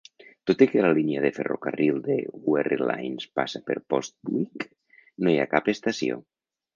Tot i que la línia de ferrocarril de Wherry Lines passa per Postwick, no hi ha cap estació.